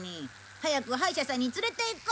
早く歯医者さんに連れて行こう。